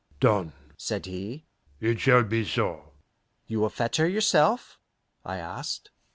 "Done," said he. "It shall be so." "You will fetch her yourself?" I asked.